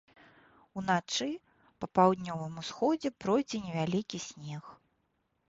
Уначы па паўднёвым усходзе пройдзе невялікі снег.